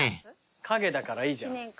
陰だからいいじゃん。